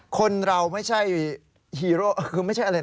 คนเราไม่ใช่ฮีโร่คือไม่ใช่อะไรนะ